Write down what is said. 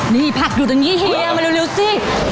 นี่ผักอยู่ตรงนี้เฮียมาเร็วสิ